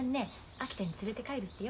秋田に連れて帰るってよ。